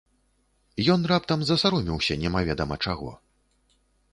Ён раптам засаромеўся немаведама чаго.